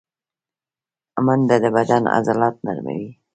منډه د بدن عضلات نرموي